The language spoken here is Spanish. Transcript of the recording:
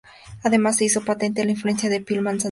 Además, se hizo patente la influencia de Phil Manzanera.